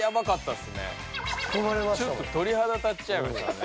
ちょっととりはだたっちゃいましたね。